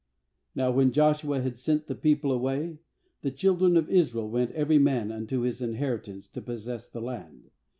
6Now when Joshua had sent the people away, the children of Israel went every man unto his inheritance to possess the land.